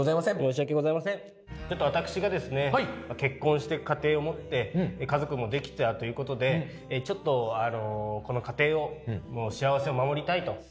ちょっと私がですね結婚して家庭を持って家族もできたという事でちょっとこの家庭を幸せを守りたいと。